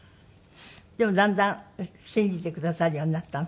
でもだんだん信じてくださるようになったの？